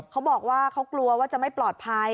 เขาบอกว่าเขากลัวว่าจะไม่ปลอดภัย